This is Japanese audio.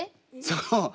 そう。